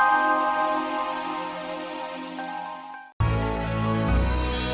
heran gua kalo dia ngajak bener